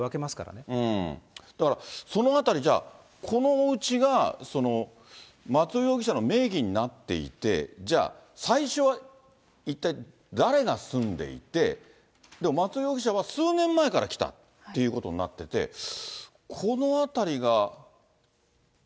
だからそのあたりじゃあ、このおうちが松尾容疑者の名義になっていて、じゃあ最初は一体誰が住んでいて、でも、松尾容疑者は数年前から来たということになってて、このあたりが。